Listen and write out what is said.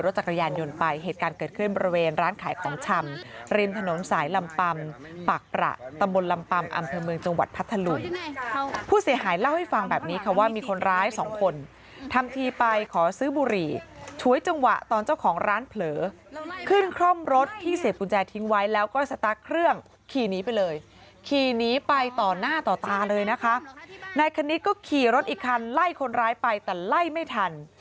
สวัสดีค่ะสวัสดีค่ะสวัสดีค่ะสวัสดีค่ะสวัสดีค่ะสวัสดีค่ะสวัสดีค่ะสวัสดีค่ะสวัสดีค่ะสวัสดีค่ะสวัสดีค่ะสวัสดีค่ะสวัสดีค่ะสวัสดีค่ะสวัสดีค่ะสวัสดีค่ะสวัสดีค่ะสวัสดีค่ะสวัสดีค่ะสวัสดีค่ะสวัสดีค่ะสวัสดีค่ะส